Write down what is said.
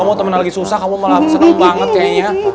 kamu temen lagi susah kamu malah senang banget kayaknya